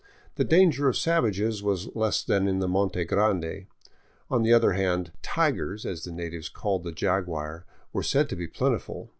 The danger of savages was less than in the Monte Grande ; on the other hand *' tigers," as the natives call the jaguar, were said to be plentiful.